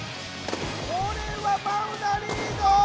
これはマウナリード！